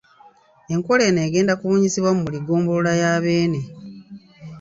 Enkola eno egenda kubunyisibwa buli ggombolola ya Beene.